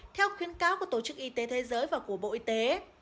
theo khuyến cáo của tổ chức y tế thế giới và của bộ y tế